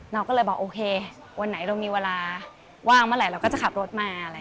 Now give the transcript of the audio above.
เราก็เลยบอกโอเควันไหนเรามีเวลาว่างเมื่อไหร่เราก็จะขับรถมา